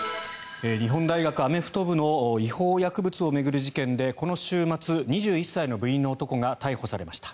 日本大学アメフト部の違法薬物を巡る事件でこの週末、２１歳の部員の男が逮捕されました。